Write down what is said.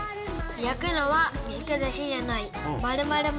焼くのは肉だけじゃない○○○○○。